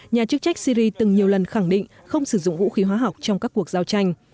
nhà chức trách syri từng nhiều lần khẳng định không sử dụng vũ khí hóa học trong các cuộc giao tranh